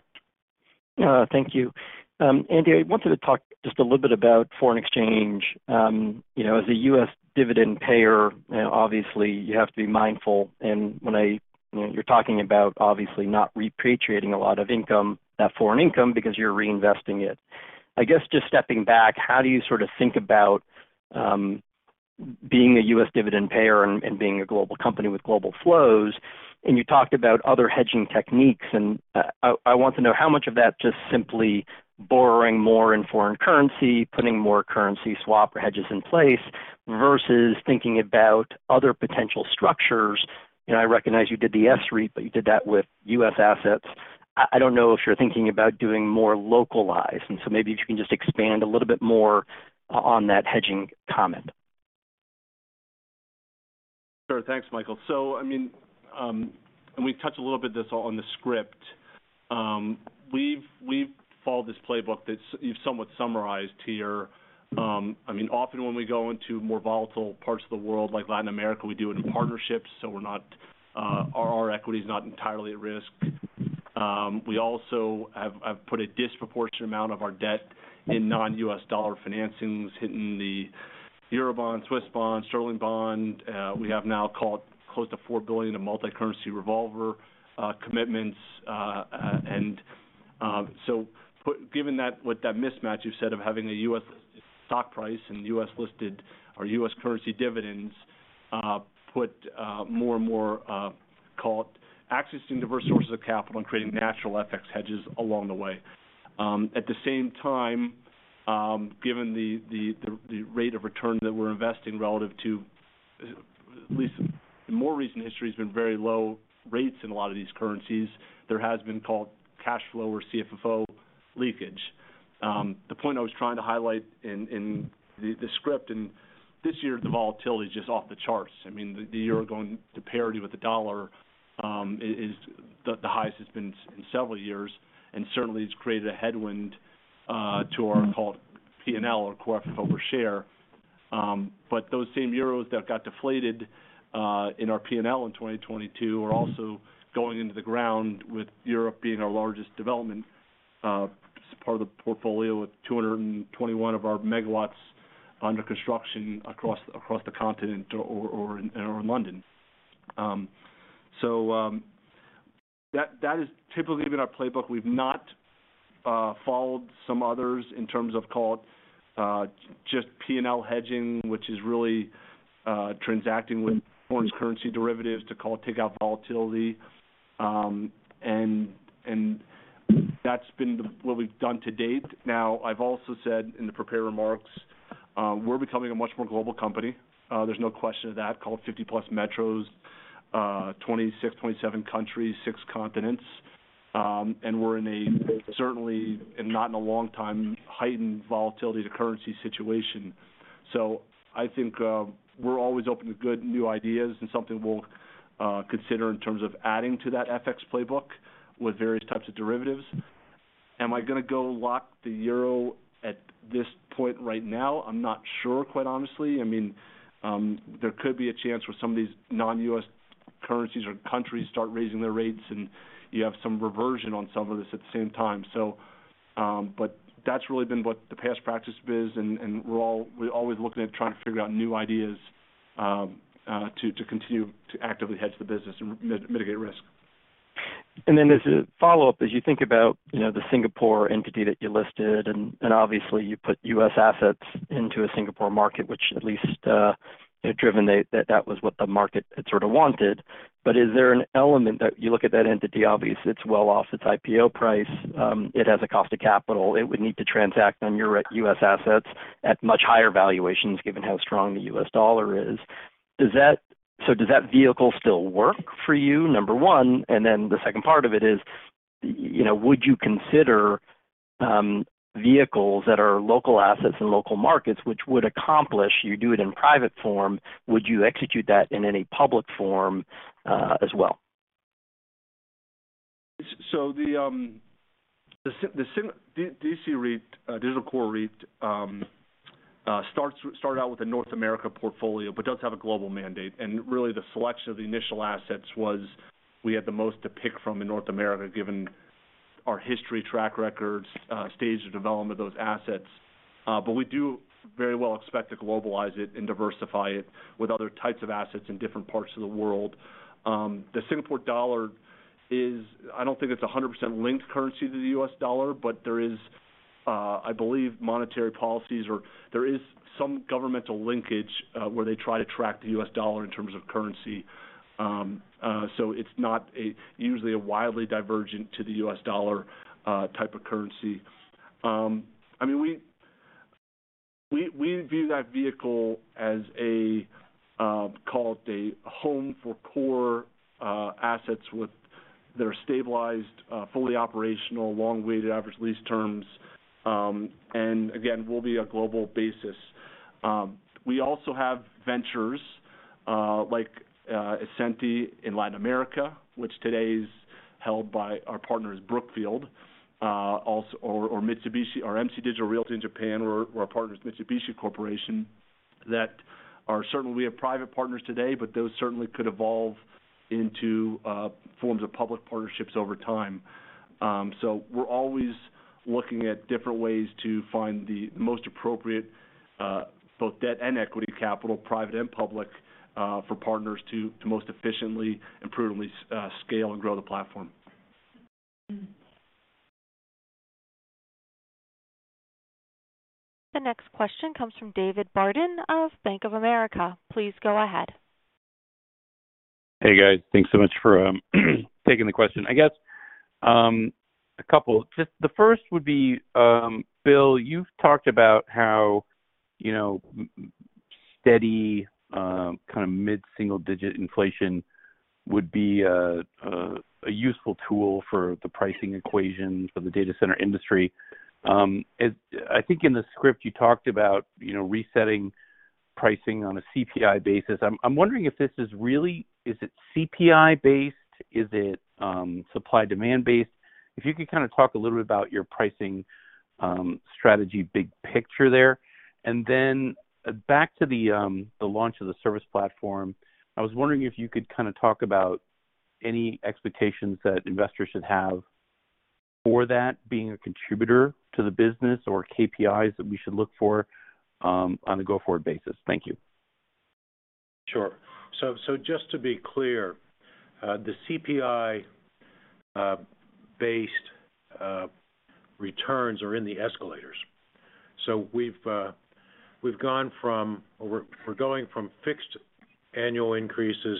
Thank you. Andy, I wanted to talk just a little bit about foreign exchange. You know, as a U.S. dividend payer, you know, obviously you have to be mindful. You know, you're talking about obviously not repatriating a lot of income, that foreign income because you're reinvesting it. I guess, just stepping back, how do you sort of think about being a U.S. dividend payer and being a global company with global flows? You talked about other hedging techniques, and I want to know how much of that just simply borrowing more in foreign currency, putting more currency swap hedges in place versus thinking about other potential structures. You know, I recognize you did the S-REIT, but you did that with U.S. assets. I don't know if you're thinking about doing more localized. Maybe if you can just expand a little bit more on that hedging comment. Sure. Thanks, Michael. I mean, we've touched a little bit on this in the script. We've followed this playbook that you've somewhat summarized here. I mean, often when we go into more volatile parts of the world, like Latin America, we do it in partnerships, so we're not, our equity is not entirely at risk. We also have put a disproportionate amount of our debt in non-U.S. dollar financings, in the Eurobond, Swiss bond, sterling bond. We have now call it close to $4 billion in multicurrency revolver commitments. Given that with that mismatch you said of having a U.S. stock price and U.S.-listed or U.S. currency dividends, put more and more call it accessing diverse sources of capital and creating natural FX hedges along the way. At the same time, given the rate of return that we're investing relative to, at least the more recent history has been very low rates in a lot of these currencies. There has been call it, cash flow or CFFO leakage. The point I was trying to highlight in the script, and this year, the volatility is just off the charts. I mean, the Euro going to parity with the dollar is the highest it's been since several years, and certainly it's created a headwind to our call it, P&L or core FFO per share. Those same euros that got deflated in our P&L in 2022 are also going into the ground with Europe being our largest development as part of the portfolio with 221 of our MW under construction across the continent or in London. That is typically been our playbook. We've not followed some others in terms of call it just P&L hedging, which is really transacting with foreign currency derivatives to call it take out volatility. That's been what we've done to date. Now, I've also said in the prepared remarks, we're becoming a much more global company. There's no question of that. Call it 50+ metros, 26-27 countries, six continents. We're in a certainly not in a long time heightened volatility in the currency situation. I think we're always open to good new ideas and something we'll consider in terms of adding to that FX playbook with various types of derivatives. Am I gonna go lock the euro at this point right now? I'm not sure, quite honestly. I mean, there could be a chance where some of these non-U.S. currencies or countries start raising their rates, and you have some reversion on some of this at the same time. That's really been what the past practice has been, and we're always looking at trying to figure out new ideas to continue. To actively hedge the business and mitigate risk. As a follow-up, as you think about, you know, the Singapore entity that you listed, and obviously you put U.S. Assets into a Singapore market, which at least, you know, that was what the market had sort of wanted. Is there an element that you look at that entity, obviously it's well off its IPO price, it has a cost of capital. It would need to transact on your U.S.. Assets at much higher valuations given how strong the U.S. dollar is. Does that vehicle still work for you, number one? The second part of it is, you know, would you consider vehicles that are local assets in local markets which would accomplish, you do it in private form, would you execute that in any public form, as well? The Digital Core REIT started out with a North America portfolio but does have a global mandate. Really the selection of the initial assets was we had the most to pick from in North America, given our history, track records, stage of development of those assets. But we do very much expect to globalize it and diversify it with other types of assets in different parts of the world. The Singapore dollar, I don't think, is a 100% linked currency to the U.S. dollar, but there is, I believe, monetary policies or there is some governmental linkage, where they try to track the U.S. dollar in terms of currency. It's not usually a wildly divergent to the U.S. dollar type of currency. I mean, we view that vehicle as, call it, a home for core assets that are stabilized, fully operational, long weighted average lease terms, and again, will be a global basis. We also have ventures like Ascenty in Latin America, which today is held by our partners, Brookfield, also or Mitsubishi or MC Digital Realty in Japan or our partners, Mitsubishi Corporation. We have private partners today, but those certainly could evolve into forms of public partnerships over time. We're always looking at different ways to find the most appropriate both debt and equity capital, private and public, for partners to most efficiently and prudently scale and grow the platform. The next question comes from David Barden of Bank of America. Please go ahead. Hey, guys. Thanks so much for taking the question. I guess a couple. Just the first would be, Bill, you've talked about how, you know, steady kind of mid-single digit inflation would be a useful tool for the pricing equation for the data center industry. I think in the script you talked about, you know, resetting pricing on a CPI basis. I'm wondering if this is really CPI based? Is it supply demand based? If you could kind of talk a little bit about your pricing strategy big picture there, and then back to the launch of the service platform, I was wondering if you could kind of talk about any expectations that investors should have for that being a contributor to the business or KPIs that we should look for on a go-forward basis. Thank you. Sure. Just to be clear, the CPI-based returns are in the escalators. We're going from fixed annual increases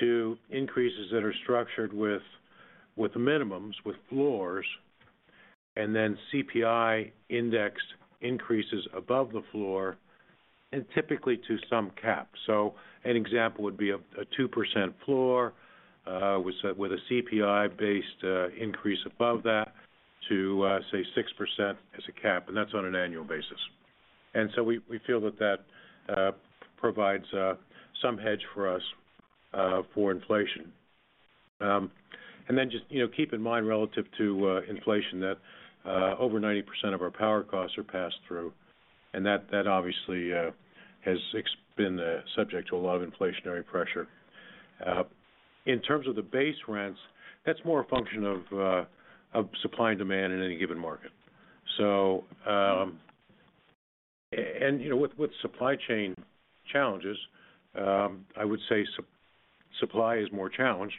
to increases that are structured with minimums, with floors, and then CPI-indexed increases above the floor and typically to some cap. An example would be a 2% floor with a CPI-based increase above that to, say, 6% as a cap. That's on an annual basis. We feel that provides some hedge for us for inflation. Just keep in mind relative to inflation that over 90% of our power costs are passed through. That obviously has been subject to a lot of inflationary pressure. In terms of the base rents, that's more a function of supply and demand in any given market. You know, with supply chain challenges, I would say supply is more challenged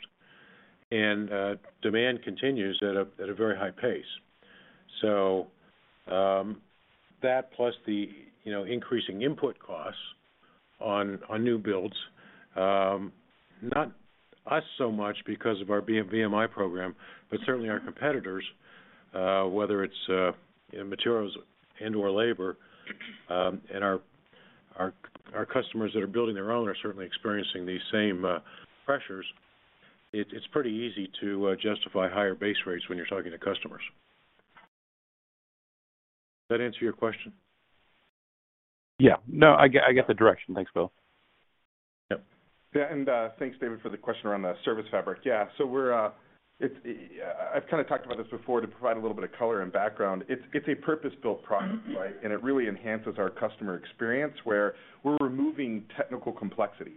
and demand continues at a very high pace. That plus the, you know, increasing input costs on new builds, not us so much because of our VMI program, but certainly our competitors, whether it's, you know, materials and/or labor, and our customers that are building their own are certainly experiencing these same pressures. It's pretty easy to justify higher base rates when you're talking to customers. That answer your question? Yeah. No, I get the direction. Thanks, Bill. Yep. Yeah. Thanks, David, for the question around the ServiceFabric. Yeah. I've kind of talked about this before to provide a little bit of color and background. It's a purpose-built product, right? It really enhances our customer experience where we're removing technical complexity.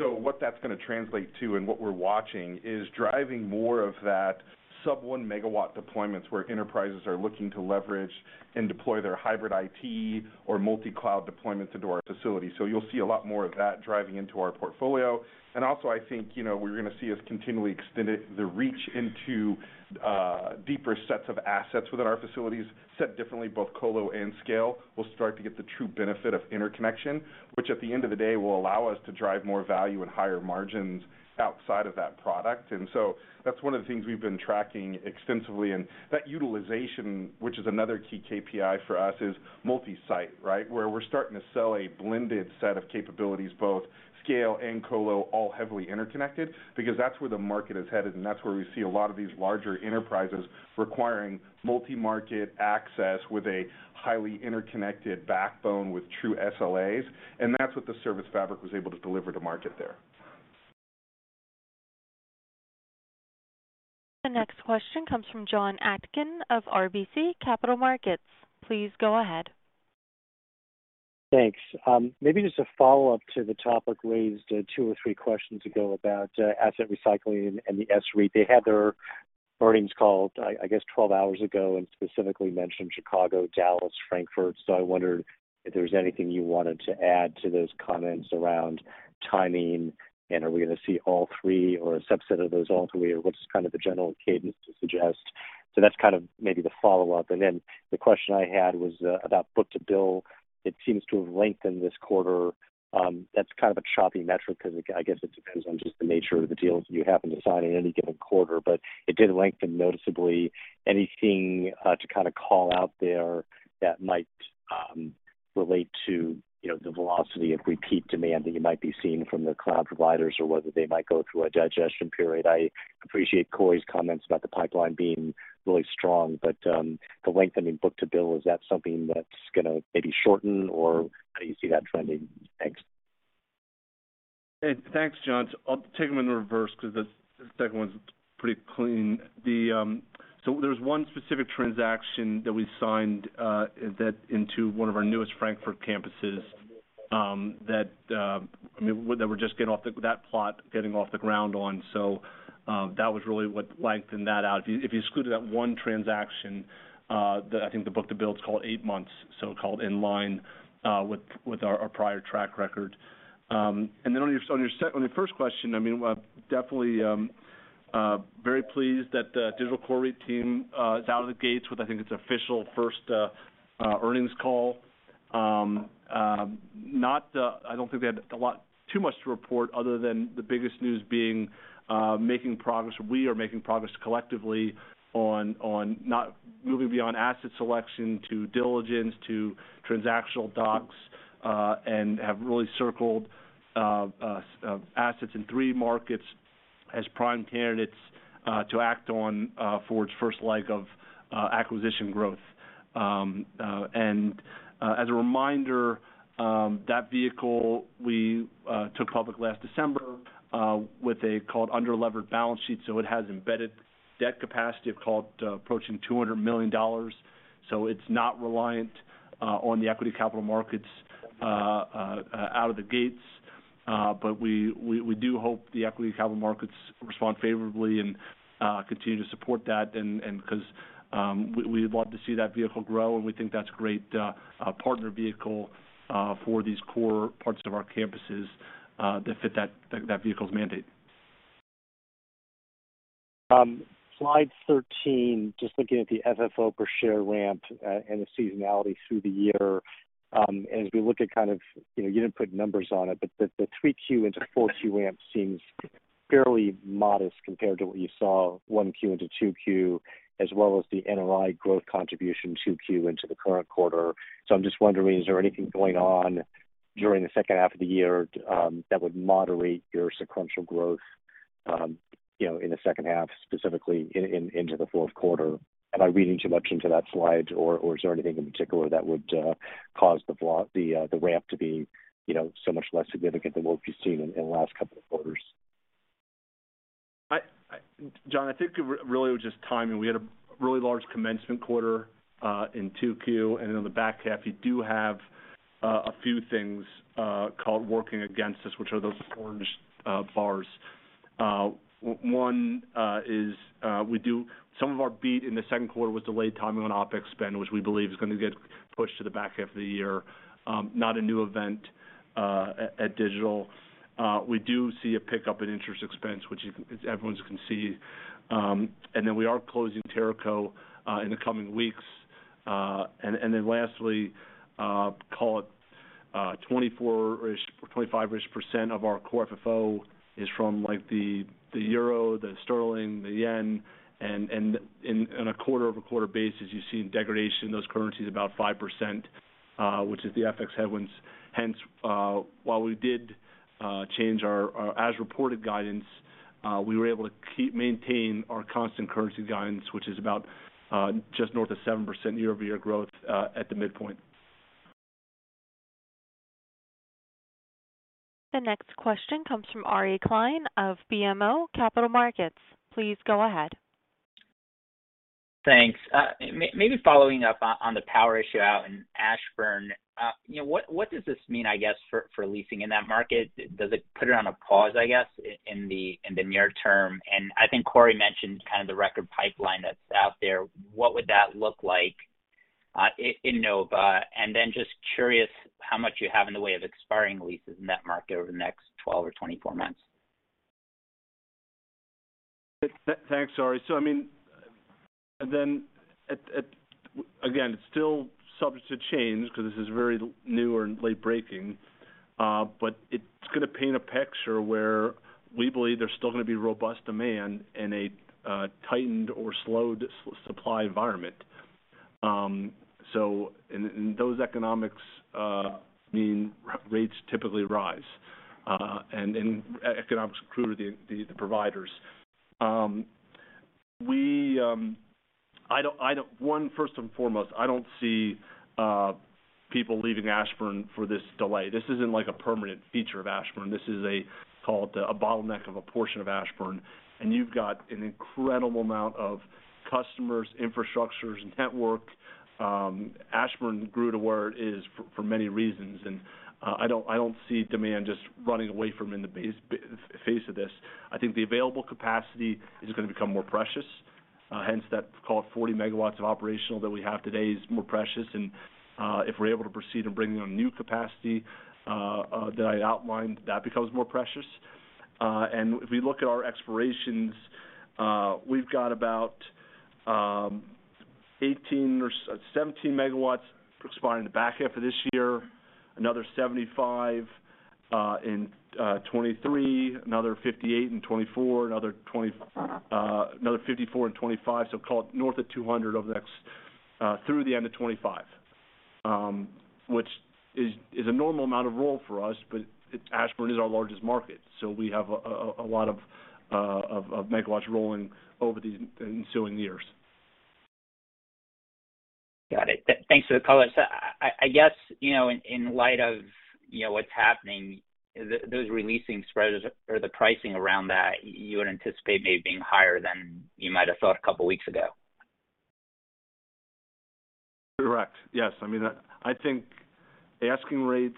What that's gonna translate to and what we're watching is driving more of that sub-1 MW deployments where enterprises are looking to leverage and deploy their hybrid IT or multi-cloud deployments into our facility. You'll see a lot more of that driving into our portfolio. I think, you know, we're gonna see us continually extend it the reach into deeper sets of assets within our facilities. Said differently, both colo and scale will start to get the true benefit of interconnection, which at the end of the day, will allow us to drive more value and higher margins outside of that product. That's one of the things we've been tracking extensively. That utilization, which is another key KPI for us, is multi-site, right? Where we're starting to sell a blended set of capabilities, both scale and colo, all heavily interconnected, because that's where the market is headed, and that's where we see a lot of these larger enterprises requiring multi-market access with a highly interconnected backbone with true SLAs. That's what the ServiceFabric was able to deliver to market there. The next question comes from Jonathan Atkin of RBC Capital Markets. Please go ahead. Thanks. Maybe just a follow-up to the topic raised two or three questions ago about asset recycling and the S-REIT. They had their earnings call, I guess 12 hours ago, and specifically mentioned Chicago, Dallas, Frankfurt. I wondered if there was anything you wanted to add to those comments around timing, and are we gonna see all three or a subset of those, all three. Or what's kind of the general cadence to suggest. That's kind of maybe the follow-up. Then the question I had was about book-to-bill. It seems to have lengthened this quarter. That's kind of a choppy metric 'cause it depends on just the nature of the deals you happen to sign in any given quarter, but it did lengthen noticeably. Anything to kind of call out there that might relate to, you know, the velocity of repeat demand that you might be seeing from the cloud providers or whether they might go through a digestion period? I appreciate Corey's comments about the pipeline being really strong, but the lengthening book-to-bill, is that something that's gonna maybe shorten or how do you see that trending? Thanks. Hey, thanks, John. I'll take them in reverse 'cause the second one's pretty clean. There's one specific transaction that we signed that went into one of our newest Frankfurt campuses that we're just getting that plot off the ground on. That was really what lengthened that out. If you excluded that one transaction, I think the book-to-bill is closer to eight months, so closer in line with our prior track record. On your first question, I mean, definitely very pleased that the Digital Core REIT team is out of the gates with, I think, its official first earnings call. I don't think they had a lot to report other than the biggest news being making progress. We are making progress collectively on moving beyond asset selection to diligence, to transactional docs, and have really circled assets in three markets as prime candidates to act on for its first leg of acquisition growth. As a reminder, that vehicle we took public last December with a so-called underlevered balance sheet, so it has embedded debt capacity of, call it, approaching $200 million. It's not reliant on the equity capital markets out of the gates. We do hope the equity capital markets respond favorably and continue to support that and 'cause we'd love to see that vehicle grow, and we think that's great, partner vehicle for these core parts of our campuses that fit that vehicle's mandate. Slide 13, just looking at the FFO per share ramp, and the seasonality through the year. As we look at kind of, you know, you didn't put numbers on it, but the Q3 into Q4 ramp seems fairly modest compared to what you saw Q1 into Q2 as well as the NOI growth contribution Q2 into the current quarter. I'm just wondering, is there anything going on during the H2 of the year, that would moderate your sequential growth, you know, in the second half, specifically into the Q4? Am I reading too much into that slide or is there anything in particular that would cause the ramp to be, you know, so much less significant than what we've seen in the last couple of quarters? Jonathan, I think it really was just timing. We had a really large commencement quarter in Q2, and in the back half, you do have a few things kind of working against us, which are those orange bars. One is some of our beat in the Q2 was delayed timing on OpEx spend, which we believe is gonna get pushed to the back half of the year. Not a new event at Digital. We do see a pickup in interest expense, which everyone can see. And then we are closing Teraco in the coming weeks. And then lastly, call it 24-ish or 25-ish% of our core FFO is from like the euro, the sterling, the yen. In a quarter-over-quarter basis, you've seen degradation in those currencies about 5%, which is the FX headwinds. Hence, while we did change our as-reported guidance, we were able to maintain our constant currency guidance, which is about just north of 7% year-over-year growth at the midpoint. The next question comes from Ari Klein of BMO Capital Markets. Please go ahead. Thanks. Maybe following up on the power issue out in Ashburn. You know, what does this mean, I guess, for leasing in that market? Does it put it on a pause, I guess, in the near term? I think Corey mentioned kind of the record pipeline that's out there. What would that look like in Nova? Just curious how much you have in the way of expiring leases in that market over the next 12 or 24 months. Thanks, Ari. I mean, again, it's still subject to change 'cause this is very new and late breaking. But it's gonna paint a picture where we believe there's still gonna be robust demand in a tightened or slowed supply environment. Those economics mean rates typically rise. Economics accrue to the providers. First and foremost, I don't see people leaving Ashburn for this delay. This isn't like a permanent feature of Ashburn. This is a, call it, a bottleneck of a portion of Ashburn. You've got an incredible amount of customers, infrastructures, network. Ashburn grew to where it is for many reasons. I don't see demand just running away from in the face of this. I think the available capacity is gonna become more precious. Hence that, call it 40 megawatts of operational that we have today is more precious. If we're able to proceed in bringing on new capacity, that I outlined, that becomes more precious. If we look at our expirations, we've got about 18 or 17 MW expiring the back end for this year, another 75 in 2023, another 58 in 2024, another 20, another 54 in 2025. Call it north of 200 over the next, through the end of 2025. Which is a normal amount of roll for us, but it's Ashburn is our largest market, so we have a lot of megawatts rolling over these ensuing years. Got it. Thanks for the color. I guess, you know, in light of, you know, what's happening, those releasing spreads or the pricing around that, you would anticipate maybe being higher than you might have thought a couple weeks ago. Correct. Yes. I mean, I think asking rates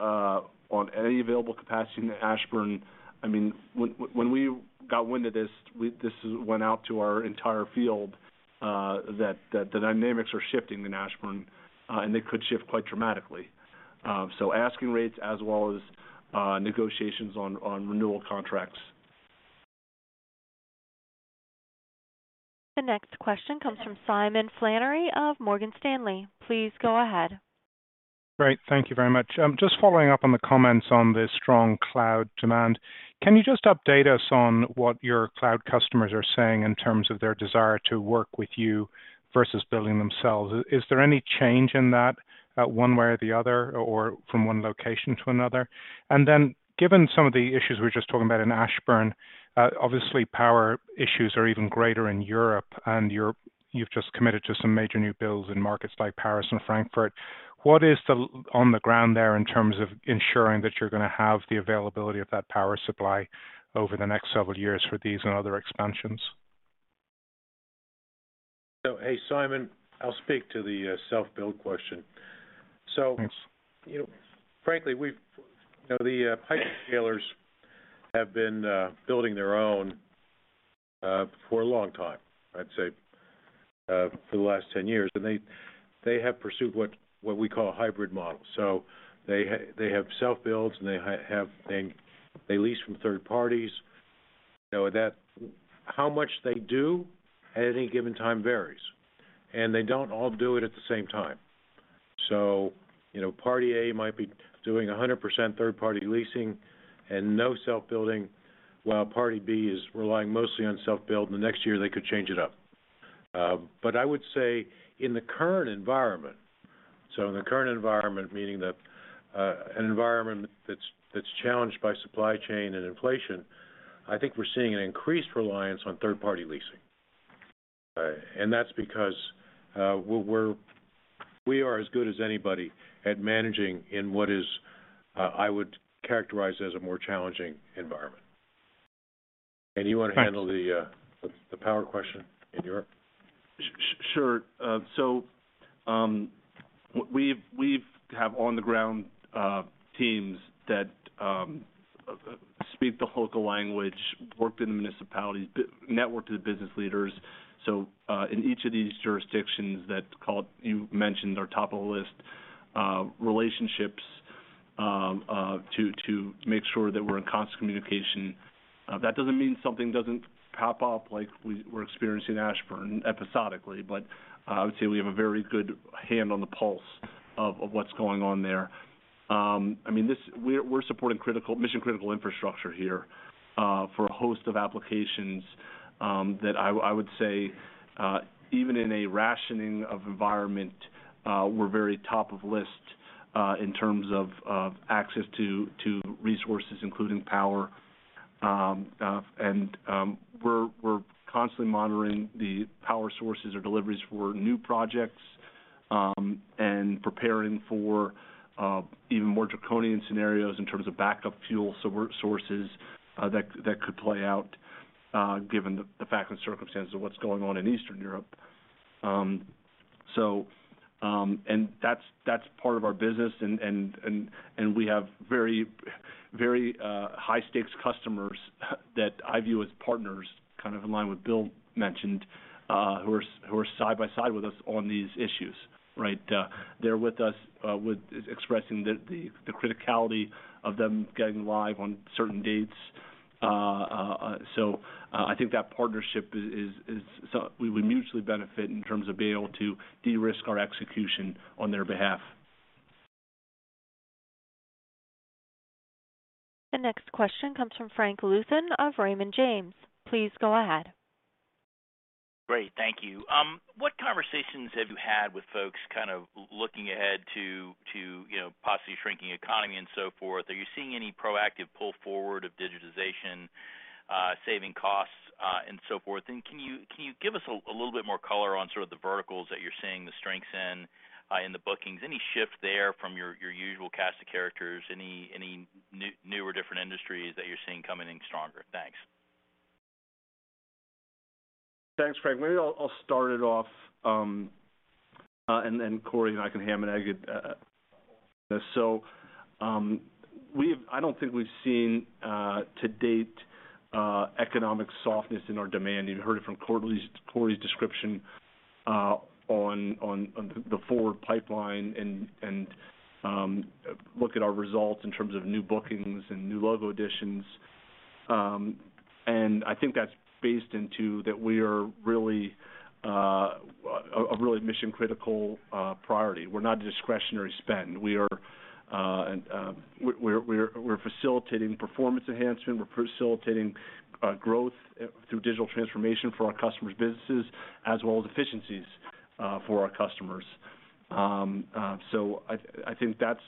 on any available capacity in Ashburn. I mean, when we got wind of this went out to our entire field that the dynamics are shifting in Ashburn, and they could shift quite dramatically. Asking rates as well as negotiations on renewal contracts. The next question comes from Simon Flannery of Morgan Stanley. Please go ahead. Great. Thank you very much. Just following up on the comments on the strong cloud demand. Can you just update us on what your cloud customers are saying in terms of their desire to work with you versus building themselves? Is there any change in that, one way or the other or from one location to another? Given some of the issues we were just talking about in Ashburn, obviously power issues are even greater in Europe, and you've just committed to some major new builds in markets like Paris and Frankfurt. What is on the ground there in terms of ensuring that you're gonna have the availability of that power supply over the next several years for these and other expansions? Hey, Simon, I'll speak to the self-build question. Thanks. You know, frankly, the hyperscalers have been building their own for a long time, I'd say for the last 10 years. They have pursued what we call a hybrid model. They have self-builds, and they lease from third parties. You know, how much they do at any given time varies, and they don't all do it at the same time. You know, party A might be doing 100% third party leasing and no self-building, while party B is relying mostly on self-build, and the next year they could change it up. But I would say in the current environment, in the current environment, meaning that an environment that's challenged by supply chain and inflation, I think we're seeing an increased reliance on third party leasing. That's because we are as good as anybody at managing in what is, I would characterize as a more challenging environment. You wanna handle the power question in Europe? Sure. We have on-the-ground teams that speak the local language, work in the municipalities, network to the business leaders. In each of these jurisdictions that call it you mentioned are top of the list, relationships to make sure that we're in constant communication. That doesn't mean something doesn't pop up like we're experiencing in Ashburn episodically. I would say we have a very good hand on the pulse of what's going on there. I mean, this, we're supporting critical, mission-critical infrastructure here, for a host of applications, that I would say, even in a rationing environment, we're very top of list, in terms of access to resources, including power. We're constantly monitoring the power sources or deliveries for new projects, and preparing for even more draconian scenarios in terms of backup fuel sources, that could play out, given the fact and circumstances of what's going on in Eastern Europe. That's part of our business. We have very high stakes customers that I view as partners, kind of in line with Bill mentioned, who are side by side with us on these issues, right? They're with us, expressing the criticality of them getting live on certain dates. I think that partnership is so we mutually benefit in terms of being able to de-risk our execution on their behalf. The next question comes from Frank Louthan of Raymond James. Please go ahead. Great, thank you. What conversations have you had with folks kind of looking ahead to you know, possibly shrinking economy and so forth? Are you seeing any proactive pull forward of digitization, saving costs, and so forth? Can you give us a little bit more color on sort of the verticals that you're seeing the strengths in in the bookings? Any shift there from your usual cast of characters? Any new or different industries that you're seeing coming in stronger? Thanks. Thanks, Frank. Maybe I'll start it off, and then Corey and I can ham and egg it. I don't think we've seen, to date, economic softness in our demand. You heard it from Corey's description on the forward pipeline and look at our results in terms of new bookings and new logo additions. I think that's baked into that we are really a really mission-critical priority. We're not a discretionary spend. We're facilitating performance enhancement, we're facilitating growth through digital transformation for our customers' businesses, as well as efficiencies for our customers. I think that's.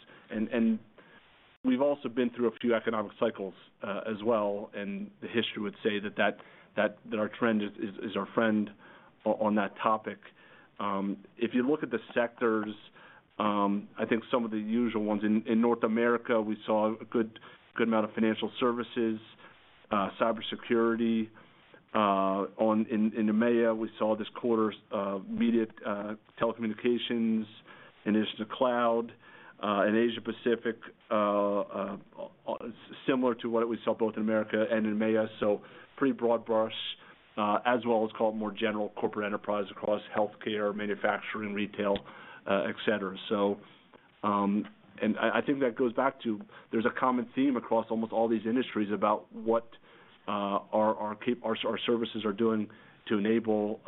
We've also been through a few economic cycles, as well, and the history would say that our trend is our friend on that topic. If you look at the sectors, I think some of the usual ones. In North America, we saw a good amount of financial services, cybersecurity, in EMEA, we saw this quarter, media, telecommunications and digital cloud. In Asia Pacific, similar to what we saw both in America and in EMEA, so pretty broad brush, as well as call it more general corporate enterprise across healthcare, manufacturing, retail, et cetera. I think that goes back to there's a common theme across almost all these industries about what our services are doing to enable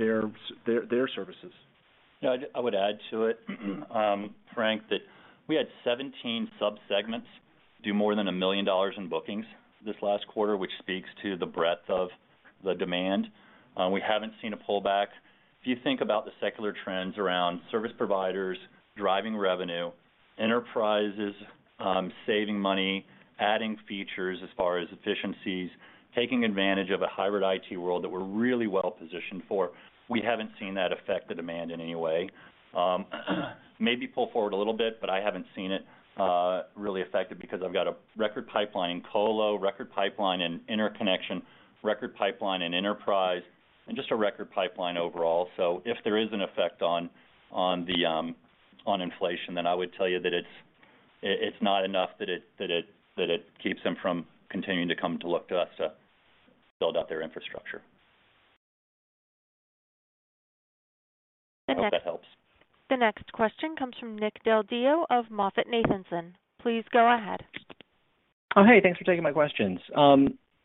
their services. Yeah. I would add to it, Frank, that we had 17 subsegments do more than $1 million in bookings this last quarter, which speaks to the breadth of the demand. We haven't seen a pullback. If you think about the secular trends around service providers driving revenue, enterprises, saving money, adding features as far as efficiencies, taking advantage of a hybrid IT world that we're really well positioned for. We haven't seen that affect the demand in any way. Maybe pull forward a little bit, but I haven't seen it really affected because I've got a record pipeline in Colo, record pipeline in interconnection, enterprise, and just a record pipeline overall. If there is an effect on inflation, then I would tell you that it's not enough that it keeps them from continuing to come to look to us to build out their infrastructure. I hope that helps. The next question comes from Nick Del Deo of MoffettNathanson. Please go ahead. Oh, hey, thanks for taking my questions.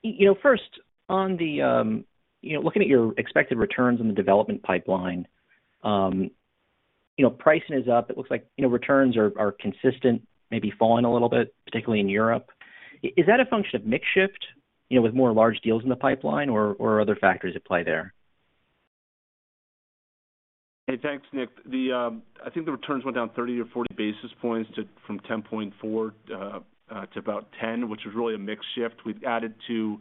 You know, first, on the, you know, looking at your expected returns in the development pipeline, you know, pricing is up. It looks like, you know, returns are consistent, maybe falling a little bit, particularly in Europe. Is that a function of mix shift, you know, with more large deals in the pipeline or other factors at play there? Hey, thanks, Nick. I think the returns went down 30 or 40 basis points from 10.4 to about 10, which is really a mix shift. We've added to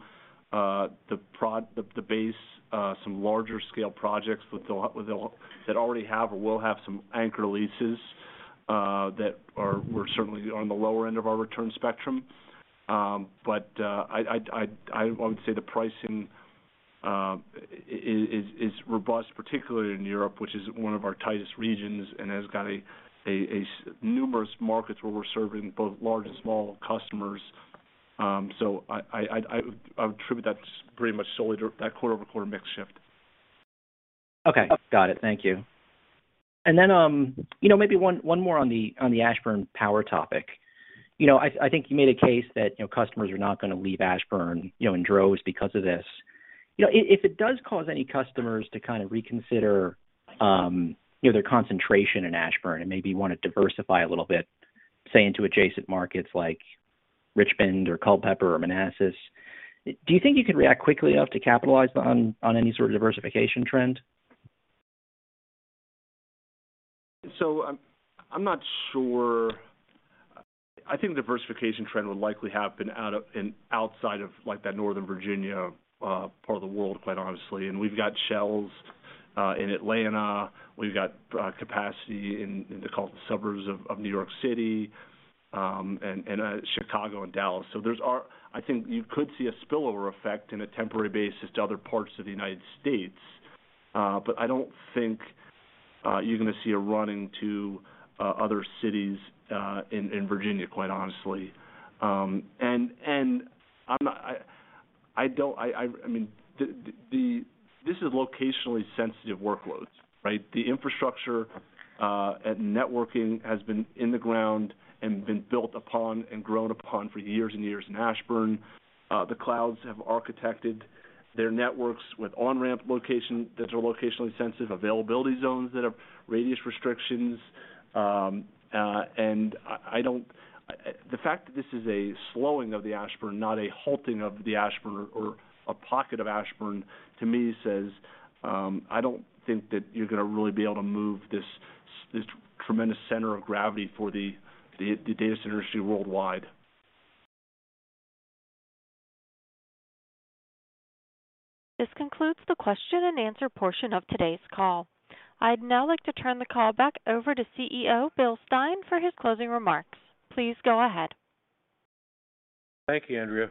the base some larger scale projects that already have or will have some anchor leases that were certainly on the lower end of our return spectrum. I would say the pricing is robust, particularly in Europe, which is one of our tightest regions and has got numerous markets where we're serving both large and small customers. I would attribute that pretty much solely to that quarter-over-quarter mix shift. Okay. Got it. Thank you. Then, you know, maybe one more on the Ashburn power topic. You know, I think you made a case that, you know, customers are not gonna leave Ashburn, you know, in droves because of this. You know, if it does cause any customers to kind of reconsider, you know, their concentration in Ashburn and maybe want to diversify a little bit, say into adjacent markets like Richmond or Culpeper or Manassas, do you think you could react quickly enough to capitalize on any sort of diversification trend? I'm not sure. I think the diversification trend would likely happen out of and outside of like that Northern Virginia part of the world, quite honestly. We've got shells in Atlanta, we've got capacity in the suburbs of New York City, and Chicago and Dallas. I think you could see a spillover effect on a temporary basis to other parts of the United States. I don't think you're gonna see a running to other cities in Virginia, quite honestly. I mean, this is locationally sensitive workloads, right? The infrastructure and networking has been in the ground and been built upon and grown upon for years and years in Ashburn. The clouds have architected their networks with on-ramp locations that are locationally sensitive, availability zones that have radius restrictions. The fact that this is a slowing of the Ashburn, not a halting of the Ashburn or a pocket of Ashburn, to me says, I don't think that you're gonna really be able to move this tremendous center of gravity for the data center industry worldwide. This concludes the question and answer portion of today's call. I'd now like to turn the call back over to CEO Bill Stein for his closing remarks. Please go ahead. Thank you, Andrea.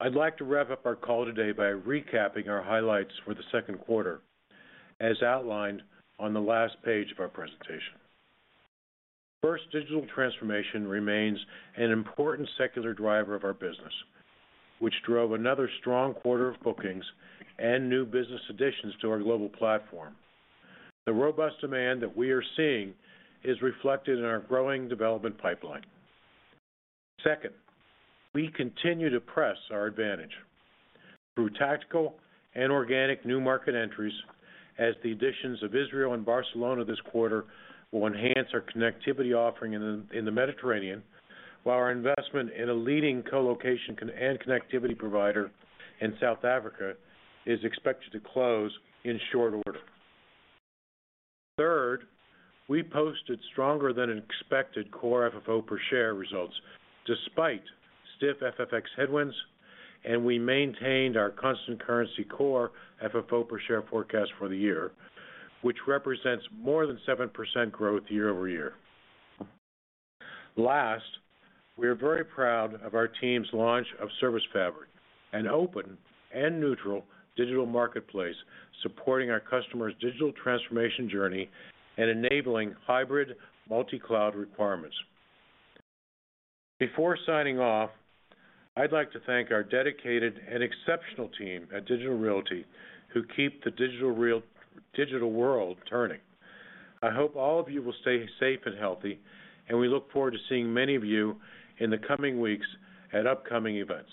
I'd like to wrap up our call today by recapping our highlights for the Q2 as outlined on the last page of our presentation. First, digital transformation remains an important secular driver of our business, which drove another strong quarter of bookings and new business additions to our global platform. The robust demand that we are seeing is reflected in our growing development pipeline. Second, we continue to press our advantage through tactical and organic new market entries as the additions of Israel and Barcelona this quarter will enhance our connectivity offering in the Mediterranean, while our investment in a leading colocation and connectivity provider in South Africa is expected to close in short order. Third, we posted stronger than expected core FFO per share results despite stiff FX headwinds, and we maintained our constant currency core FFO per share forecast for the year, which represents more than 7% growth year-over-year. Last, we are very proud of our team's launch of ServiceFabric, an open and neutral digital marketplace supporting our customers' digital transformation journey and enabling hybrid multi-cloud requirements. Before signing off, I'd like to thank our dedicated and exceptional team at Digital Realty who keep the digital world turning. I hope all of you will stay safe and healthy, and we look forward to seeing many of you in the coming weeks at upcoming events.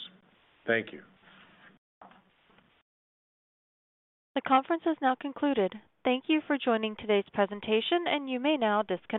Thank you. The conference has now concluded. Thank you for joining today's presentation, and you may now disconnect.